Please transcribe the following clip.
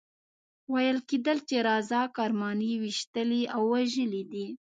ویل کېدل چې رضا کرماني ویشتلی او وژلی دی.